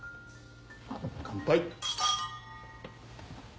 乾杯。